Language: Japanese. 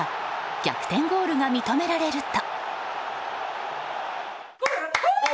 逆転ゴールが認められると。